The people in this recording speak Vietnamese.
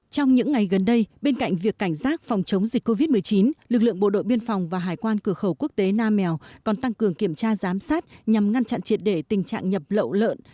trong những ngày gần đây bên cạnh việc cảnh giác phòng chống dịch covid một mươi chín lực lượng bộ đội biên phòng và hải quan cửa khẩu quốc tế nam mèo còn tăng cường kiểm tra giám sát nhằm ngăn chặn triệt để tình trạng nhập lậu lợn